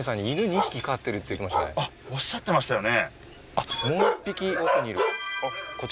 おっしゃってましたよね